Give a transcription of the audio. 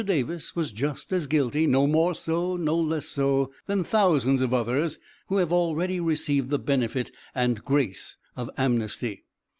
Davis was just as guilty, no more so, no less so, than thousands of others who have already received the benefit and grace of amnesty.